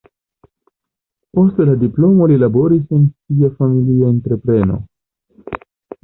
Post la diplomo li laboris en sia familia entrepreno.